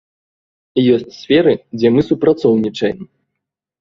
Ёсць сферы, дзе мы супрацоўнічаем.